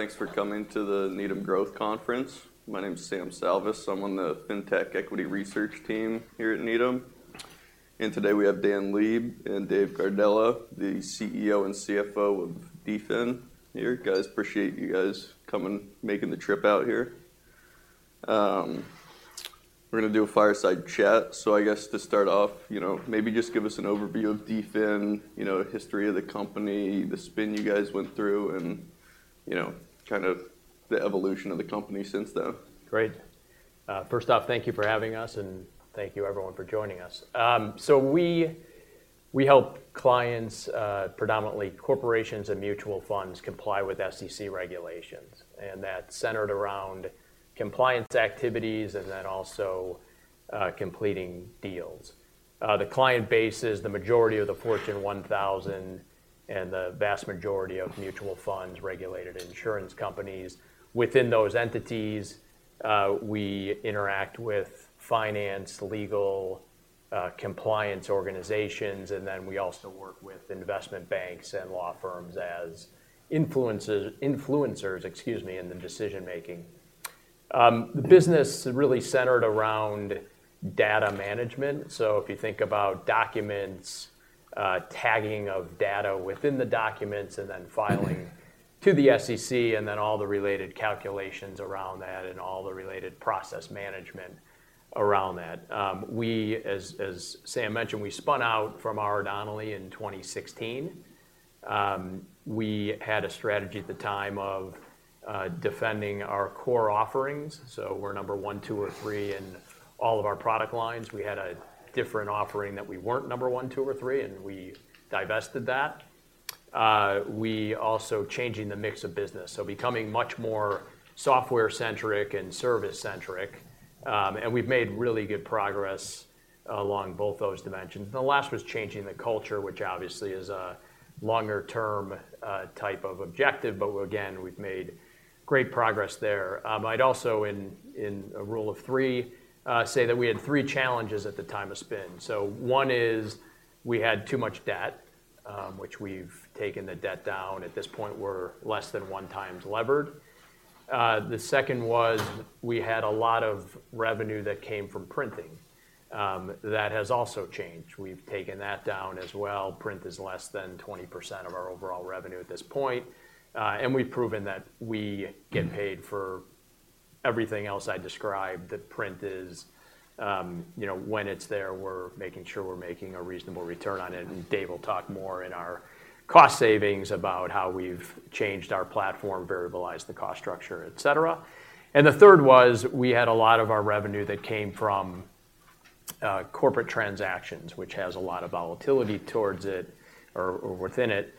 Thanks for coming to the Needham growth conference. My name is Sam Salvas. I'm on the Fintech Equity Research team here at Needham. And today we have Dan Leib and Dave Gardella, the CEO and CFO of DFIN. Here, guys, appreciate you guys coming, making the trip out here. We're gonna do a fireside chat. So I guess to start off, you know, maybe just give us an overview of DFIN, you know, history of the company, the spin you guys went through, and, you know, kind of the evolution of the company since then. Great. First off, thank you for having us, and thank you everyone for joining us. So we help clients, predominantly corporations and mutual funds, comply with SEC regulations, and that's centered around compliance activities and then also completing deals. The client base is the majority of the Fortune 1000 and the vast majority of mutual funds, regulated insurance companies. Within those entities, we interact with finance, legal, compliance organizations, and then we also work with investment banks and law firms as influencers, excuse me, in the decision making. The business is really centered around data management. So if you think about documents, tagging of data within the documents, and then filing to the SEC, and then all the related calculations around that, and all the related process management around that. As Sam mentioned, we spun out from R.R. Donnelley in 2016. We had a strategy at the time of defending our core offerings. So we're number one, two, or three in all of our product lines. We had a different offering that we weren't number one, two, or three, and we divested that. We also changing the mix of business, so becoming much more software-centric and service-centric. And we've made really good progress along both those dimensions. The last was changing the culture, which obviously is a longer term type of objective, but again, we've made great progress there. I'd also in a rule of three say that we had three challenges at the time of spin. So one is we had too much debt, which we've taken the debt down. At this point, we're less than one times levered. The second was we had a lot of revenue that came from printing. That has also changed. We've taken that down as well. Print is less than 20% of our overall revenue at this point. And we've proven that we get paid for everything else I described. The print is, you know, when it's there, we're making sure we're making a reasonable return on it, and Dave will talk more in our cost savings about how we've changed our platform, variabilize the cost structure, et cetera. And the third was, we had a lot of our revenue that came from, corporate transactions, which has a lot of volatility towards it or, or within it.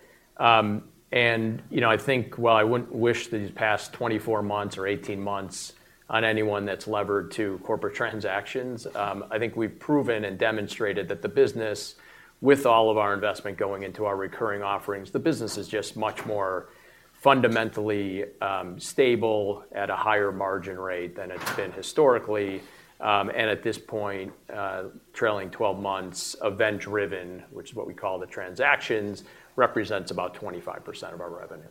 And, you know, I think, while I wouldn't wish these past 24 months or 18 months on anyone that's levered to corporate transactions, I think we've proven and demonstrated that the business, with all of our investment going into our recurring offerings, the business is just much more fundamentally stable at a higher margin rate than it's been historically. And at this point, trailing 12 months, event-driven, which is what we call the transactions, represents about 25% of our revenue.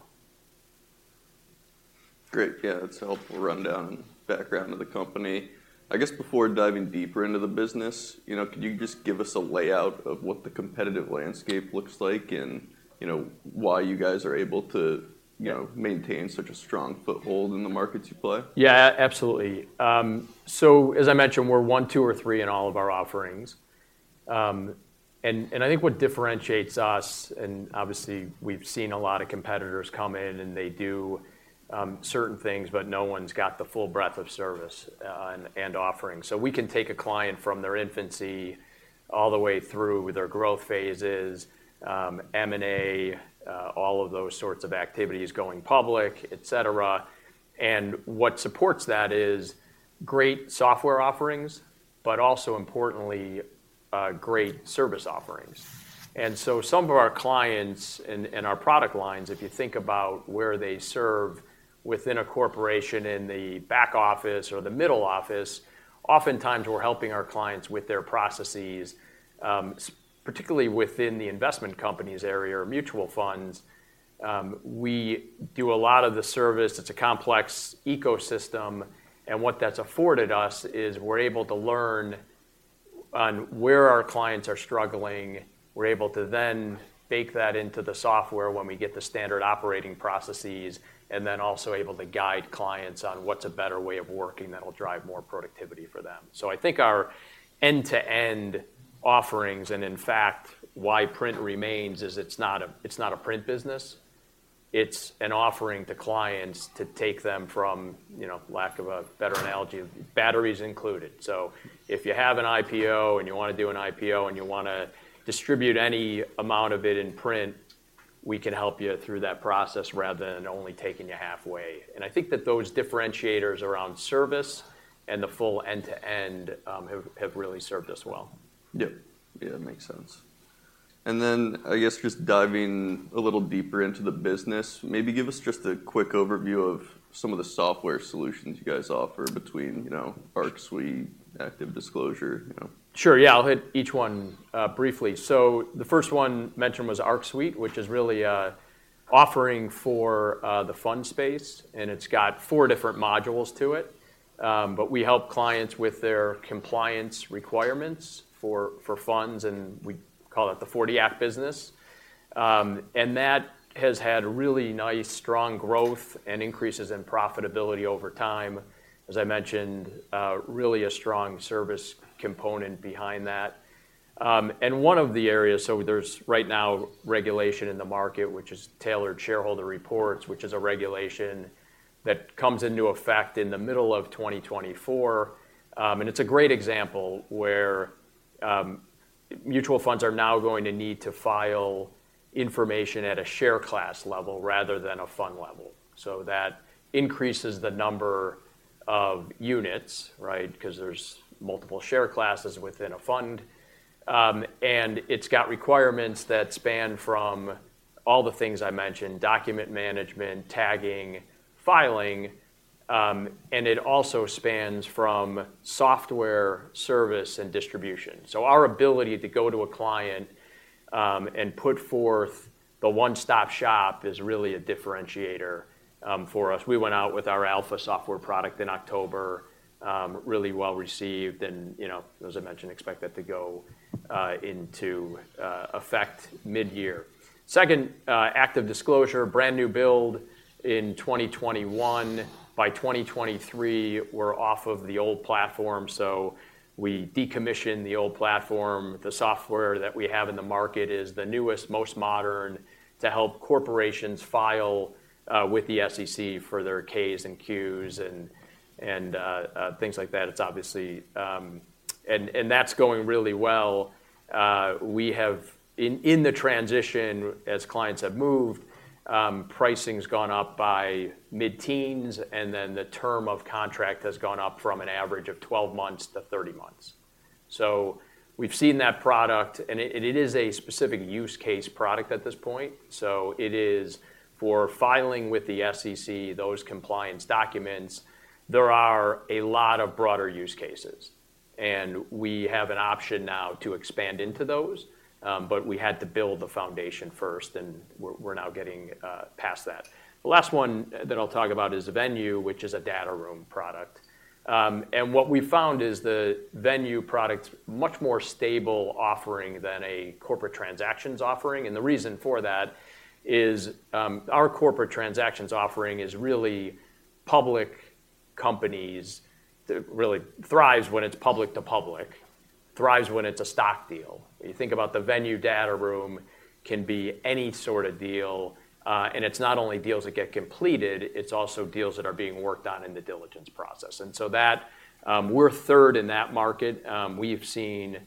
Great. Yeah, that's a helpful rundown and background of the company. I guess before diving deeper into the business, you know, could you just give us a layout of what the competitive landscape looks like, and, you know, why you guys are able to, you know, maintain such a strong foothold in the markets you play? Yeah, absolutely. So as I mentioned, we're one, two, or three in all of our offerings. And I think what differentiates us, and obviously, we've seen a lot of competitors come in, and they do certain things, but no one's got the full breadth of service, and offerings. So we can take a client from their infancy all the way through their growth phases, M&A, all of those sorts of activities, going public, et cetera. And what supports that is great software offerings, but also importantly, great service offerings. And so some of our clients and our product lines, if you think about where they serve within a corporation, in the back office or the middle office, oftentimes, we're helping our clients with their processes, particularly within the investment companies area or mutual funds. We do a lot of the service. It's a complex ecosystem, and what that's afforded us is we're able to learn on where our clients are struggling. We're able to then bake that into the software when we get the standard operating processes, and then also able to guide clients on what's a better way of working that will drive more productivity for them. So I think our end-to-end offerings, and in fact, why print remains, is it's not a print business, it's an offering to clients to take them from, you know, lack of a better analogy, batteries included. So if you have an IPO, and you want to do an IPO, and you wanna distribute any amount of it in print, we can help you through that process rather than only taking you halfway. I think that those differentiators around service and the full end-to-end have really served us well. Yeah, that makes sense. And then, I guess just diving a little deeper into the business, maybe give us just a quick overview of some of the software solutions you guys offer between, you know, ArcSuite, ActiveDisclosure, you know? Sure, yeah, I'll hit each one briefly. So the first one mentioned was ArcSuite, which is really an offering for the fund space, and it's got four different modules to it. But we help clients with their compliance requirements for funds, and we call it the '40 Act business. And that has had really nice, strong growth and increases in profitability over time. As I mentioned, really a strong service component behind that. And one of the areas—there's right now regulation in the market, which is Tailored Shareholder Reports, which is a regulation that comes into effect in the middle of 2024. And it's a great example where mutual funds are now going to need to file information at a share class level rather than a fund level. So that increases the number of units, right? Because there's multiple share classes within a fund. And it's got requirements that span from all the things I mentioned: document management, tagging, filing, and it also spans from software service and distribution. So our ability to go to a client and put forth the one-stop shop is really a differentiator for us. We went out with our Alpha software product in October, really well-received, and, you know, as I mentioned, expect that to go into effect mid-year. Second, ActiveDisclosure, brand new build in 2021. By 2023, we're off of the old platform, so we decommissioned the old platform. The software that we have in the market is the newest, most modern to help corporations file with the SEC for their K's and Q's and things like that. It's obviously. That's going really well. We have in the transition, as clients have moved, pricing's gone up by mid-teens, and then the term of contract has gone up from an average of 12 months to 30 months. So we've seen that product, and it is a specific use case product at this point. So it is for filing with the SEC, those compliance documents. There are a lot of broader use cases, and we have an option now to expand into those, but we had to build the foundation first, and we're now getting past that. The last one that I'll talk about is Venue, which is a data room product. And what we found is the Venue product, much more stable offering than a corporate transactions offering. And the reason for that is, our corporate transactions offering is really public companies that really thrives when it's public to public, thrives when it's a stock deal. You think about the Venue data room can be any sort of deal, and it's not only deals that get completed, it's also deals that are being worked on in the diligence process. And so that, we're third in that market. We've seen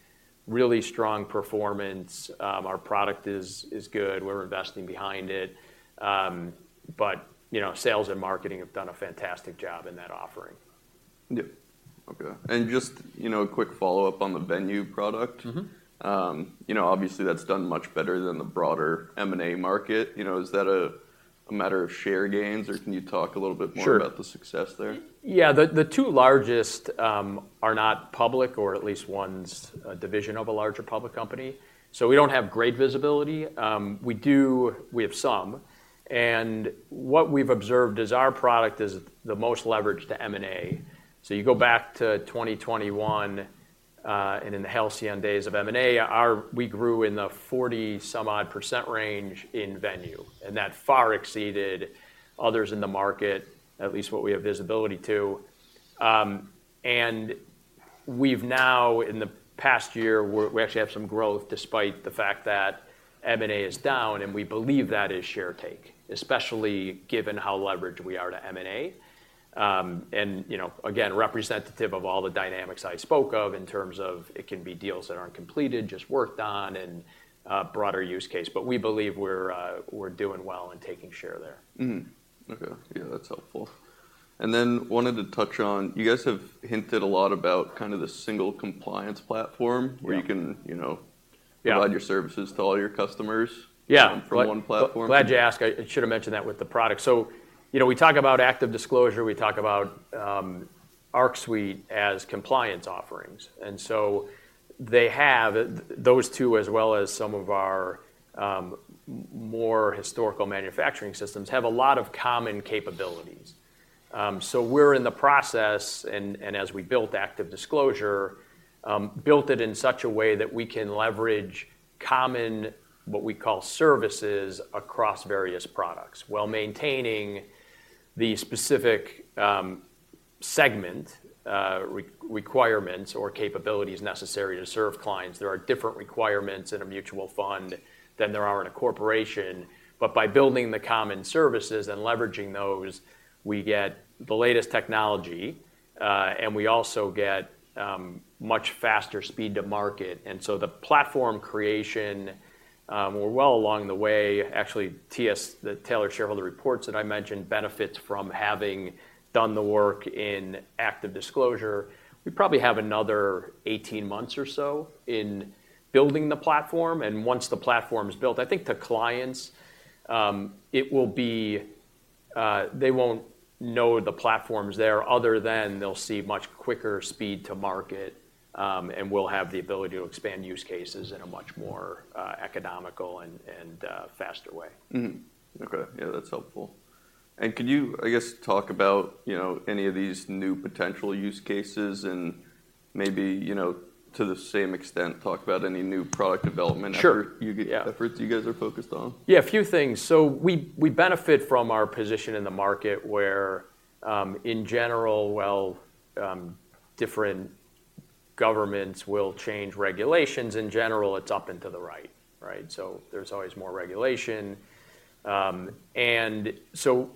really strong performance. Our product is good. We're investing behind it. But, you know, sales and marketing have done a fantastic job in that offering. Yep. Okay. And just, you know, a quick follow-up on the Venue product. Mm-hmm. You know, obviously, that's done much better than the broader M&A market. You know, is that a matter of share gains, or can you talk a little bit more- Sure. about the success there? Yeah, the two largest are not public, or at least one's a division of a larger public company. So we don't have great visibility. We do—we have some, and what we've observed is our product is the most leveraged to M&A. So you go back to 2021, and in the halcyon days of M&A, we grew in the 40-some-odd% range in Venue, and that far exceeded others in the market, at least what we have visibility to. And we've now, in the past year, we're—we actually have some growth despite the fact that M&A is down, and we believe that is share take, especially given how leveraged we are to M&A. And, you know, again, representative of all the dynamics I spoke of in terms of it can be deals that aren't completed, just worked on, and broader use case. But we believe we're, we're doing well and taking share there. Mm-hmm. Okay. Yeah, that's helpful. And then wanted to touch on. You guys have hinted a lot about kind of the single compliance platform- Yeah where you can, you know Yeah provide your services to all your customers. Yeah from one platform. Glad you asked. I should have mentioned that with the product. So, you know, we talk about ActiveDisclosure, we talk about ArcSuite as compliance offerings, and so they have those two, as well as some of our more historical manufacturing systems, have a lot of common capabilities. So we're in the process, and as we built ActiveDisclosure, built it in such a way that we can leverage common, what we call, services across various products, while maintaining the specific segment requirements or capabilities necessary to serve clients. There are different requirements in a mutual fund than there are in a corporation. But by building the common services and leveraging those, we get the latest technology, and we also get much faster speed to market. And so the platform creation, we're well along the way. Actually, TS, the Tailored Shareholder Reports that I mentioned, benefits from having done the work in ActiveDisclosure. We probably have another 18 months or so in building the platform, and once the platform is built, I think to clients, it will be, they won't know the platform's there other than they'll see much quicker speed to market, and we'll have the ability to expand use cases in a much more, economical and faster way. Mm-hmm. Okay. Yeah, that's helpful. And can you, I guess, talk about, you know, any of these new potential use cases and maybe, you know, to the same extent, talk about any new product development- Sure. efforts you guys are focused on? Yeah, a few things. So we, we benefit from our position in the market where, in general, different governments will change regulations. In general, it's up and to the right, right? So there's always more regulation. And so,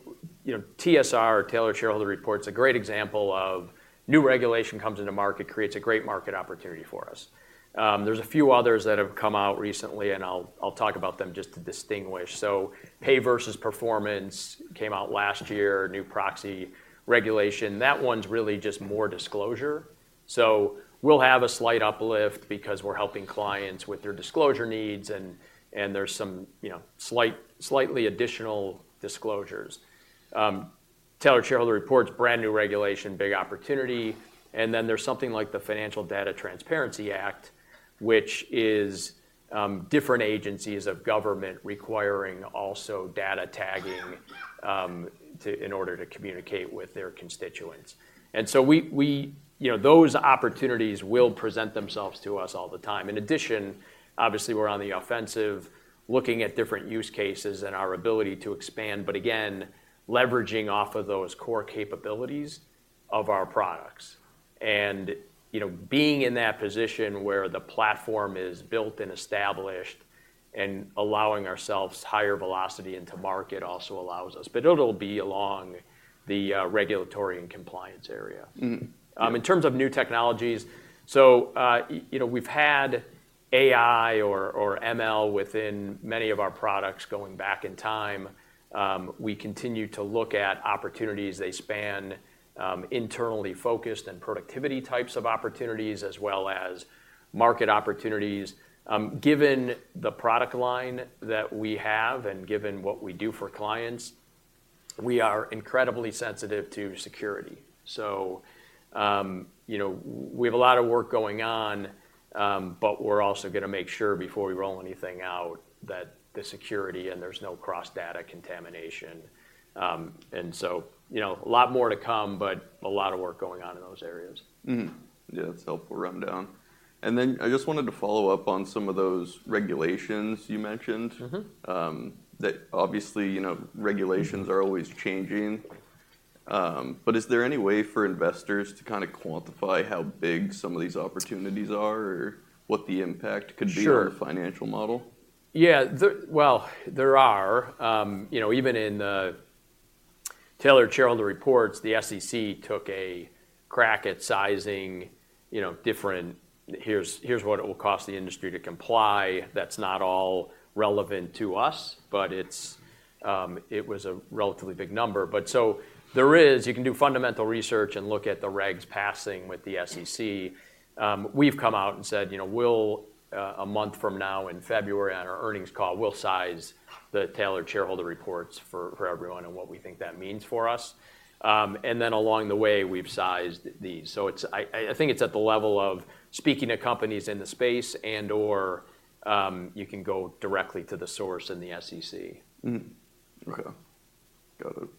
you know, TSR, Tailored Shareholder Report, is a great example of new regulation comes into market, creates a great market opportunity for us. There's a few others that have come out recently, and I'll, I'll talk about them just to distinguish. So Pay Versus Performance came out last year, new proxy regulation. That one's really just more disclosure. So we'll have a slight uplift because we're helping clients with their disclosure needs and, and there's some, you know, slightly additional disclosures. Tailored Shareholder Reports, brand-new regulation, big opportunity. And then there's something like the Financial Data Transparency Act, which is, different agencies of government requiring also data tagging, to in order to communicate with their constituents. And so we, you know, those opportunities will present themselves to us all the time. In addition, obviously, we're on the offensive, looking at different use cases and our ability to expand, but again, leveraging off of those core capabilities of our products. And, you know, being in that position where the platform is built and established and allowing ourselves higher velocity into market also allows us. But it'll be along the, regulatory and compliance area. Mm-hmm. In terms of new technologies, so, you know, we've had AI or ML within many of our products going back in time. We continue to look at opportunities. They span internally focused and productivity types of opportunities, as well as market opportunities. Given the product line that we have and given what we do for clients, we are incredibly sensitive to security. So, you know, we have a lot of work going on, but we're also gonna make sure before we roll anything out, that the security and there's no cross-data contamination. And so, you know, a lot more to come, but a lot of work going on in those areas. Mm-hmm. Yeah, that's a helpful rundown. Then I just wanted to follow up on some of those regulations you mentioned- Mm-hmm. That obviously, you know, regulations are always changing. But is there any way for investors to kind of quantify how big some of these opportunities are, or what the impact could be? Sure. on the financial model? Yeah, well, there are, you know, even in the Tailored Shareholder Reports, the SEC took a crack at sizing, you know, different. Here's, here's what it will cost the industry to comply. That's not all relevant to us, but it's, it was a relatively big number. But so there is, you can do fundamental research and look at the regs passing with the SEC. We've come out and said, you know, we'll a month from now in February on our earnings call, we'll size the Tailored Shareholder Reports for, for everyone and what we think that means for us. And then along the way, we've sized these. So it's. I think it's at the level of speaking to companies in the space and/or, you can go directly to the source and the SEC. Mm-hmm. Okay. Got it.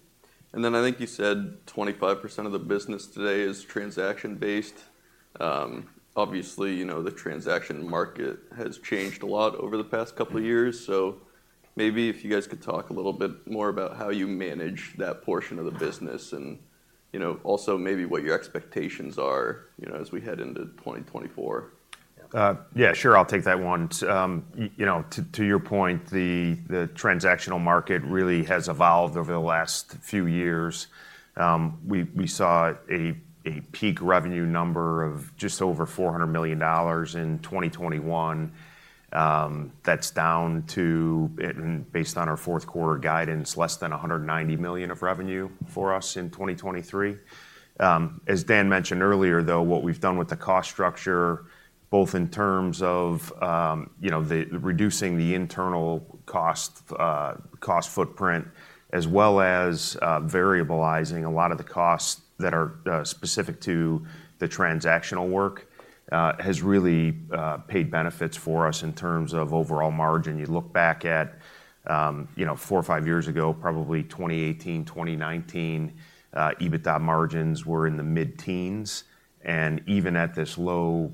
And then I think you said 25% of the business today is transaction-based. Obviously, you know, the transaction market has changed a lot over the past couple of years. So maybe if you guys could talk a little bit more about how you manage that portion of the business and, you know, also maybe what your expectations are, you know, as we head into 2024. Yeah, sure. I'll take that one. You know, to your point, the transactional market really has evolved over the last few years. We saw a peak revenue number of just over $400 million in 2021. That's down to, and based on our fourth quarter guidance, less than $190 million of revenue for us in 2023. As Dan mentioned earlier, though, what we've done with the cost structure, both in terms of, you know, the reducing the internal cost, cost footprint, as well as, variabilizing a lot of the costs that are specific to the transactional work, has really paid benefits for us in terms of overall margin. You look back at, you know, four or five years ago, probably 2018, 2019, EBITDA margins were in the mid-teens, and even at this low,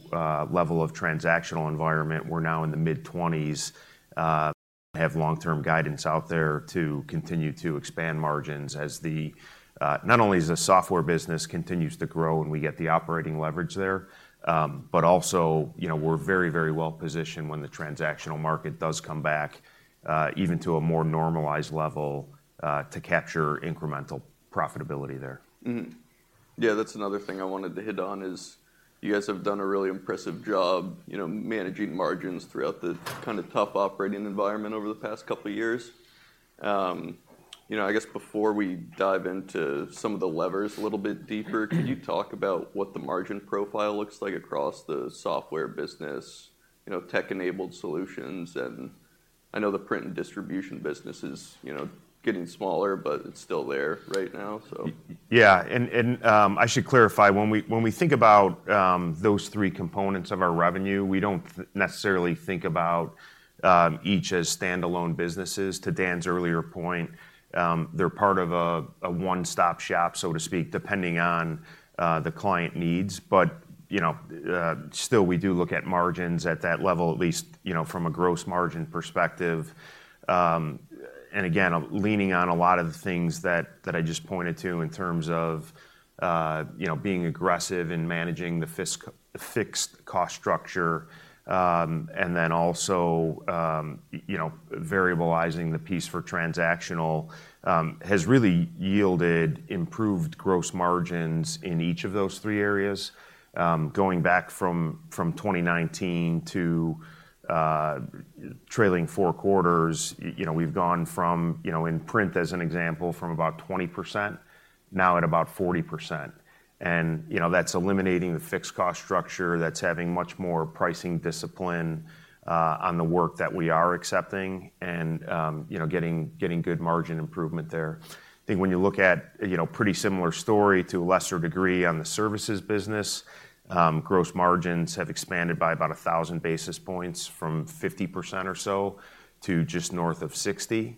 level of transactional environment, we're now in the mid-twenties. Have long-term guidance out there to continue to expand margins as the, not only as the software business continues to grow and we get the operating leverage there, but also, you know, we're very, very well-positioned when the transactional market does come back, even to a more normalized level, to capture incremental profitability there. Yeah, that's another thing I wanted to hit on, is you guys have done a really impressive job, you know, managing margins throughout the kind of tough operating environment over the past couple years. You know, I guess before we dive into some of the levers a little bit deeper, could you talk about what the margin profile looks like across the software business, you know, tech-enabled solutions? And I know the print and distribution business is, you know, getting smaller, but it's still there right now, so. Yeah. And I should clarify, when we think about those three components of our revenue, we don't necessarily think about each as standalone businesses. To Dan's earlier point, they're part of a one-stop shop, so to speak, depending on the client needs. But you know, still we do look at margins at that level, at least, you know, from a gross margin perspective. And again, I'm leaning on a lot of the things that I just pointed to in terms of you know, being aggressive in managing the fixed cost structure. And then also, you know, variabilizing the piece for transactional has really yielded improved gross margins in each of those three areas. Going back from 2019 to trailing four quarters, you know, we've gone from, you know, in print as an example, from about 20% now at about 40%. And, you know, that's eliminating the fixed cost structure, that's having much more pricing discipline on the work that we are accepting and, you know, getting good margin improvement there. I think when you look at, you know, pretty similar story to a lesser degree on the services business, gross margins have expanded by about 1,000 basis points, from 50% or so to just north of 60%.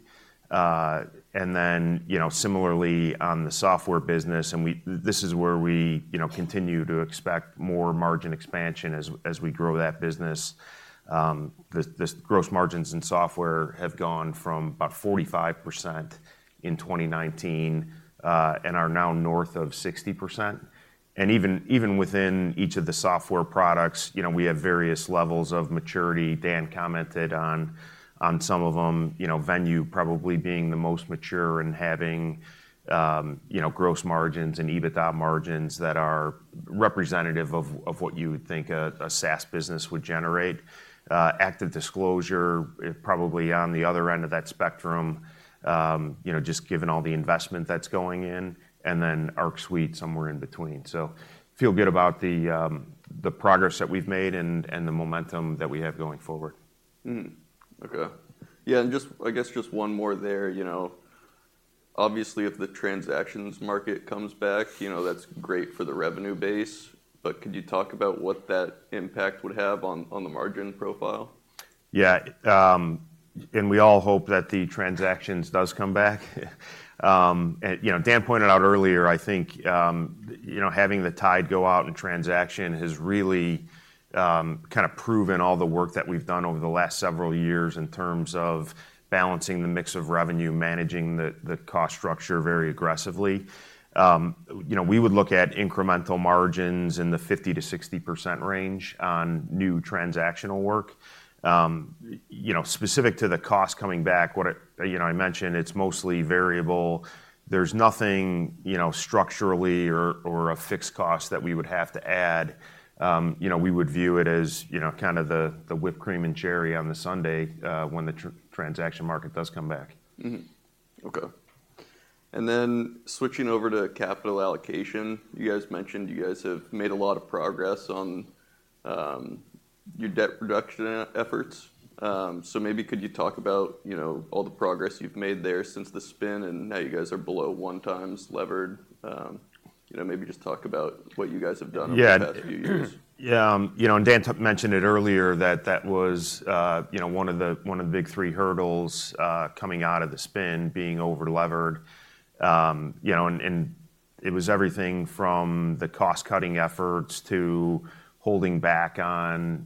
And then, you know, similarly on the software business, and we, this is where we, you know, continue to expect more margin expansion as we grow that business. The gross margins in software have gone from about 45% in 2019, and are now north of 60%. And even within each of the software products, you know, we have various levels of maturity. Dan commented on some of them, you know, Venue probably being the most mature and having, you know, gross margins and EBITDA margins that are representative of what you would think a SaaS business would generate. ActiveDisclosure is probably on the other end of that spectrum, you know, just given all the investment that's going in, and then ArcSuite, somewhere in between. So feel good about the progress that we've made and the momentum that we have going forward. Hmm. Okay. Yeah, and just I guess just one more there. You know, obviously, if the transactions market comes back, you know, that's great for the revenue base, but could you talk about what that impact would have on, on the margin profile? Yeah, and we all hope that the transactions does come back. And, you know, Dan pointed out earlier, I think, you know, having the tide go out in transaction has really, kinda proven all the work that we've done over the last several years in terms of balancing the mix of revenue, managing the cost structure very aggressively. You know, we would look at incremental margins in the 50%-60% range on new transactional work. You know, specific to the cost coming back, I mentioned, it's mostly variable. There's nothing, you know, structurally or a fixed cost that we would have to add. You know, we would view it as, you know, kind of the whipped cream and cherry on the sundae, when the transaction market does come back. Mm-hmm. Okay. And then switching over to capital allocation, you guys mentioned you guys have made a lot of progress on your debt reduction efforts. So maybe could you talk about, you know, all the progress you've made there since the spin, and now you guys are below one times levered. You know, maybe just talk about what you guys have done Yeah over the past few years. Yeah. You know, and Dan mentioned it earlier that that was, you know, one of the one of the big three hurdles, coming out of the spin, being overlevered. You know, and, and it was everything from the cost-cutting efforts to holding back on,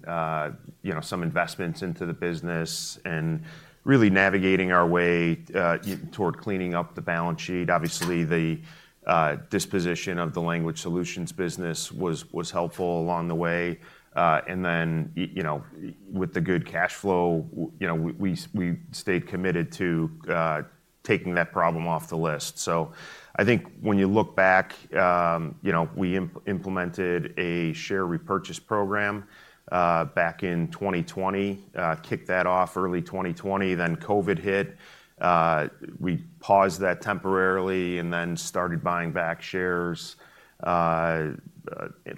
you know, some investments into the business and really navigating our way toward cleaning up the balance sheet. Obviously, the disposition of the language solutions business was helpful along the way. And then you know, with the good cash flow, you know, we, we, we stayed committed to taking that problem off the list. So I think when you look back, you know, we implemented a share repurchase program, back in 2020. Kicked that off early 2020, then COVID hit. We paused that temporarily and then started buying back shares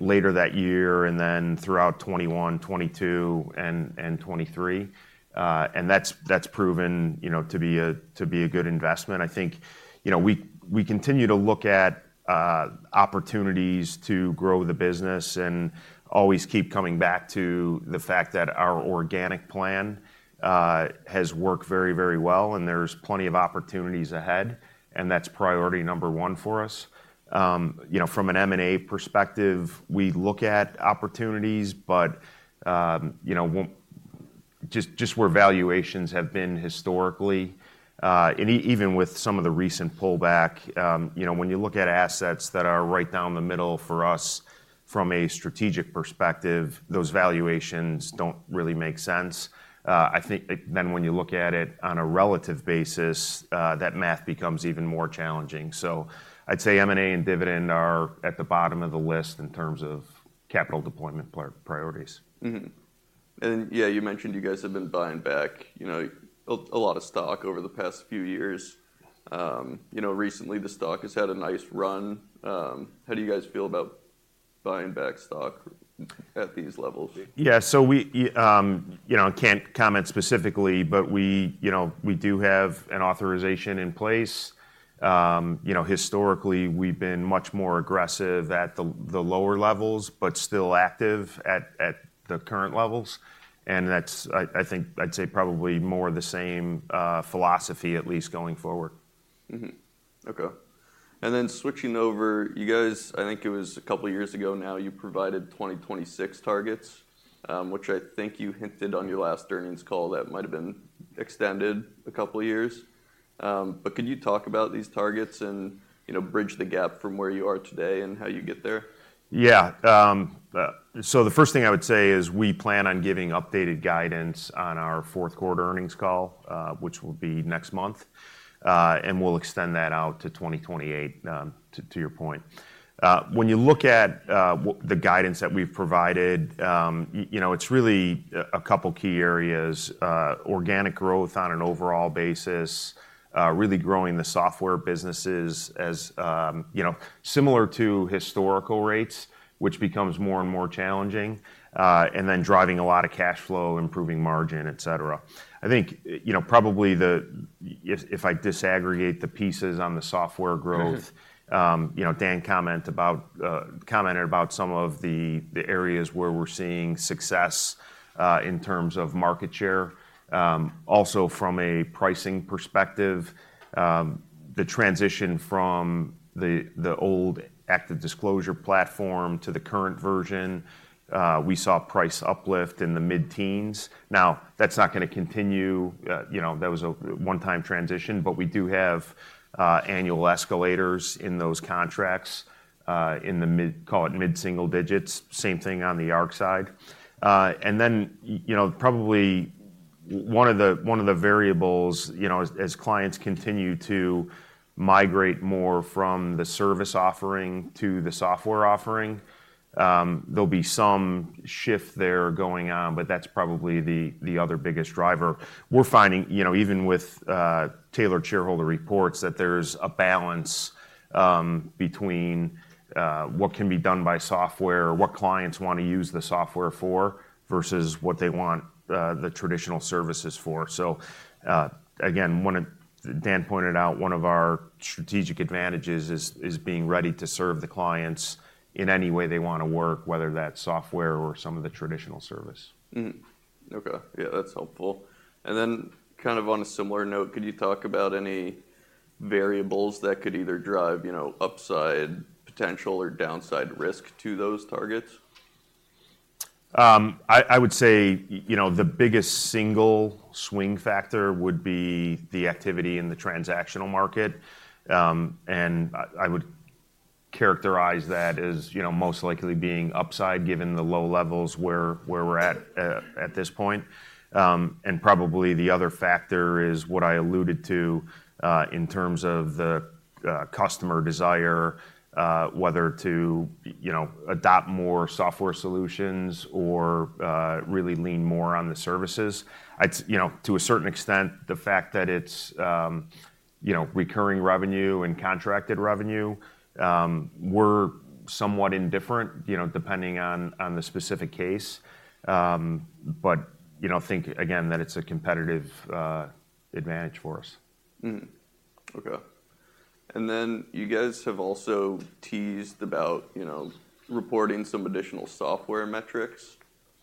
later that year, and then throughout 2021, 2022, and 2023. And that's proven, you know, to be a good investment. I think, you know, we continue to look at opportunities to grow the business and always keep coming back to the fact that our organic plan has worked very, very well, and there's plenty of opportunities ahead, and that's priority number one for us. You know, from an M&A perspective, we look at opportunities, but, you know, just where valuations have been historically, and even with some of the recent pullback, you know, when you look at assets that are right down the middle for us, from a strategic perspective, those valuations don't really make sense. I think, then when you look at it on a relative basis, that math becomes even more challenging. So I'd say M&A and dividend are at the bottom of the list in terms of capital deployment priorities. And yeah, you mentioned you guys have been buying back, you know, a lot of stock over the past few years. You know, recently, the stock has had a nice run. How do you guys feel about buying back stock at these levels? Yeah, so we, you know, can't comment specifically, but we, you know, we do have an authorization in place. You know, historically, we've been much more aggressive at the lower levels, but still active at the current levels. And that's, I think, I'd say, probably more the same philosophy, at least, going forward. Mm-hmm. Okay. And then switching over, you guys, I think it was a couple of years ago now, you provided 2026 targets, which I think you hinted on your last earnings call that might have been extended a couple of years. But could you talk about these targets and, you know, bridge the gap from where you are today and how you get there? Yeah. So the first thing I would say is we plan on giving updated guidance on our fourth quarter earnings call, which will be next month. And we'll extend that out to 2028, to your point. When you look at the guidance that we've provided, you know, it's really a couple key areas: organic growth on an overall basis, really growing the software businesses as, you know, similar to historical rates, which becomes more and more challenging, and then driving a lot of cash flow, improving margin, et cetera. I think, you know, probably if I disaggregate the pieces on the software growth- Mm-hmm. You know, Dan commented about some of the areas where we're seeing success in terms of market share. Also from a pricing perspective, the transition from the old ActiveDisclosure platform to the current version, we saw price uplift in the mid-teens. Now, that's not gonna continue. You know, that was a one-time transition, but we do have annual escalators in those contracts in the mid, call it mid-single digits. Same thing on the Arc side. And then, you know, probably one of the variables, you know, as clients continue to migrate more from the service offering to the software offering, there'll be some shift there going on, but that's probably the other biggest driver. We're finding, you know, even with Tailored Shareholder Reports, that there's a balance between what can be done by software or what clients wanna use the software for, versus what they want the traditional services for. So, again, Dan pointed out, one of our strategic advantages is being ready to serve the clients in any way they wanna work, whether that's software or some of the traditional service. Mm-hmm. Okay. Yeah, that's helpful. And then kind of on a similar note, could you talk about any variables that could either drive, you know, upside potential or downside risk to those targets? I would say, you know, the biggest single swing factor would be the activity in the transactional market. And I would characterize that as, you know, most likely being upside, given the low levels where we're at, at this point. And probably, the other factor is what I alluded to, in terms of the customer desire, whether to, you know, adopt more software solutions or, really lean more on the services. I'd say you know, to a certain extent, the fact that it's, you know, recurring revenue and contracted revenue, we're somewhat indifferent, you know, depending on the specific case. But, you know, I think again that it's a competitive advantage for us. Mm-hmm. Okay. And then, you guys have also teased about, you know, reporting some additional software metrics.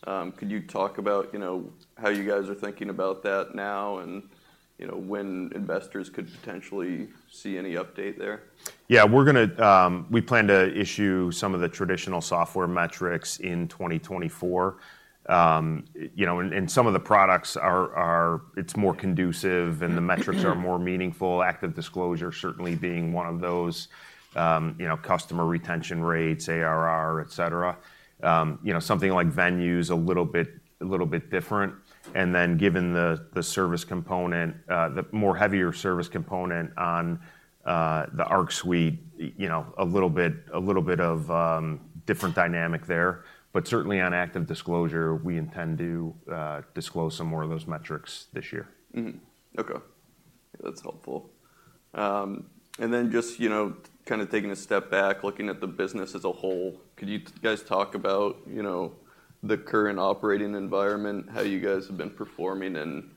Could you talk about, you know, how you guys are thinking about that now, and, you know, when investors could potentially see any update there? Yeah. We're gonna. We plan to issue some of the traditional software metrics in 2024. You know, and some of the products are, it's more conducive, and the metrics are more meaningful, ActiveDisclosure certainly being one of those, you know, customer retention rates, ARR, et cetera. You know, something like Venue is a little bit different. And then, given the service component, the more heavier service component on the ArcSuite, you know, a little bit of different dynamic there. But certainly, on ActiveDisclosure, we intend to disclose some more of those metrics this year. Mm-hmm. Okay, that's helpful. And then just, you know, kinda taking a step back, looking at the business as a whole, could you guys talk about, you know, the current operating environment, how you guys have been performing, and,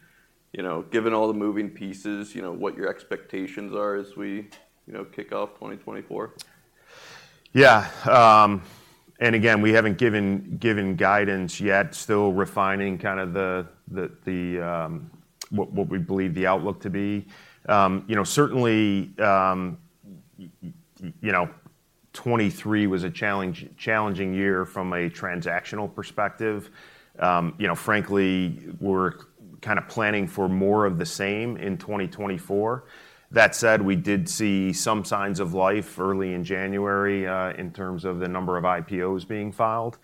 you know, given all the moving pieces, you know, what your expectations are as we, you know, kick off 2024? Yeah, and again, we haven't given guidance yet. Still refining kind of the what we believe the outlook to be. You know, certainly, you know, 2023 was a challenging year from a transactional perspective. You know, frankly, we're kinda planning for more of the same in 2024. That said, we did see some signs of life early in January in terms of the number of IPOs being filed.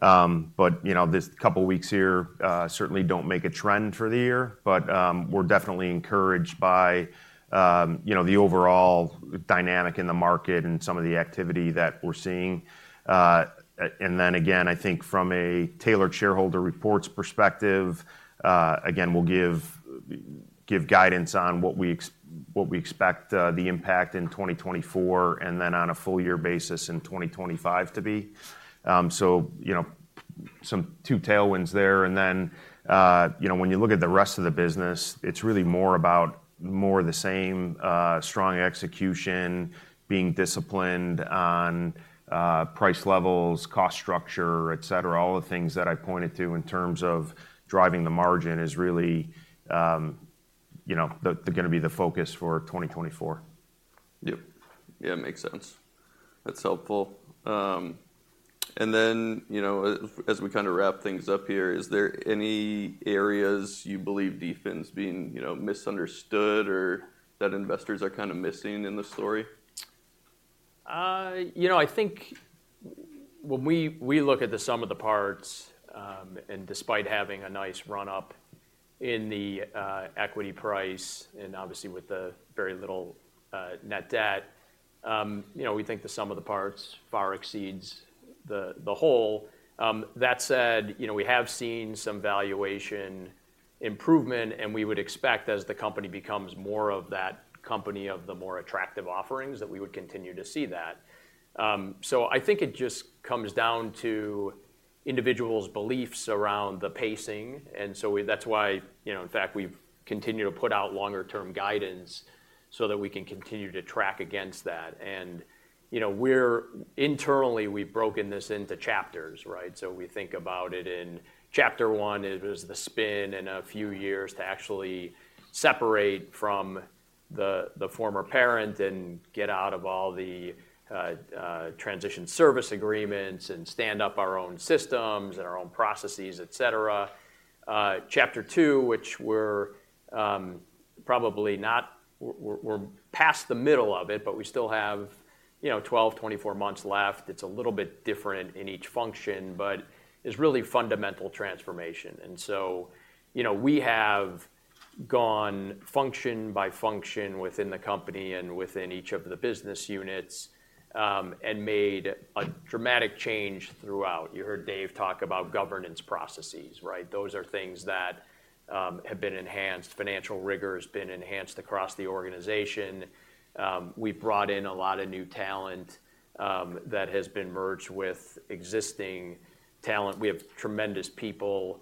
But, you know, this couple of weeks here certainly don't make a trend for the year, but we're definitely encouraged by you know, the overall dynamic in the market and some of the activity that we're seeing. And then again, I think from a Tailored Shareholder Reports perspective, again, we'll give guidance on what we ex-... What we expect, the impact in 2024, and then on a full year basis in 2025 to be. So, you know, some two tailwinds there. And then, you know, when you look at the rest of the business, it's really more about more the same, strong execution, being disciplined on, price levels, cost structure, et cetera. All the things that I pointed to in terms of driving the margin is really, you know, they're gonna be the focus for 2024. Yep. Yeah, makes sense. That's helpful. And then, you know, as we kind of wrap things up here, is there any areas you believe DFIN's being, you know, misunderstood or that investors are kind of missing in the story? You know, I think when we look at the sum of the parts, and despite having a nice run-up in the equity price, and obviously with the very little net debt, you know, we think the sum of the parts far exceeds the whole. That said, you know, we have seen some valuation improvement, and we would expect as the company becomes more of that company of the more attractive offerings, that we would continue to see that. So I think it just comes down to individuals' beliefs around the pacing, and so that's why, you know, in fact, we've continued to put out longer term guidance so that we can continue to track against that. And, you know, we're internally, we've broken this into chapters, right? So we think about it in chapter one, it was the spin and a few years to actually separate from the former parent and get out of all the transition service agreements and stand up our own systems and our own processes, et cetera. Chapter two, which we're probably not. We're past the middle of it, but we still have, you know, 12, 24 months left. It's a little bit different in each function, but it's really fundamental transformation. And so, you know, we have gone function by function within the company and within each of the business units and made a dramatic change throughout. You heard Dave talk about governance processes, right? Those are things that have been enhanced. Financial rigor has been enhanced across the organization. We've brought in a lot of new talent that has been merged with existing talent. We have tremendous people.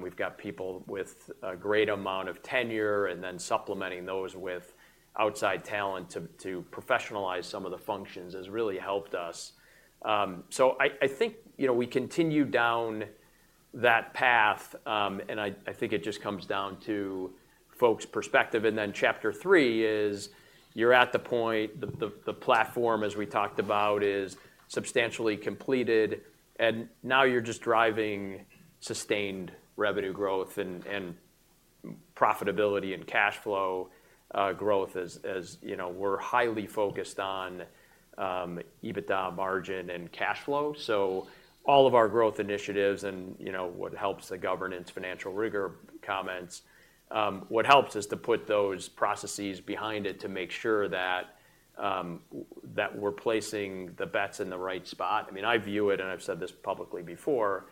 We've got people with a great amount of tenure, and then supplementing those with outside talent to professionalize some of the functions has really helped us. So I think, you know, we continue down that path, and I think it just comes down to folks' perspective. And then chapter three is, you're at the point, the platform, as we talked about, is substantially completed, and now you're just driving sustained revenue growth and profitability and cash flow growth as, as you know, we're highly focused on EBITDA margin and cash flow. So all of our growth initiatives and, you know, what helps the governance, financial rigor, comments, what helps is to put those processes behind it to make sure that that we're placing the bets in the right spot. I mean, I view it, and I've said this publicly before,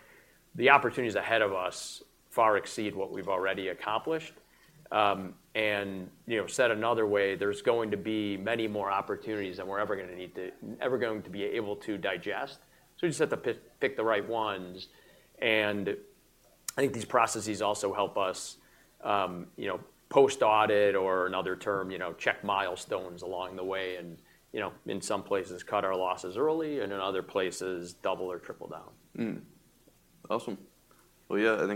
the opportunities ahead of us far exceed what we've already accomplished. And, you know, said another way, there's going to be many more opportunities than we're ever going to be able to digest. So we just have to pick the right ones. And I think these processes also help us, you know, post-audit or another term, you know, check milestones along the way, and, you know, in some places, cut our losses early, and in other places, double or triple down. Mm-hmm. Awesome. Well, yeah-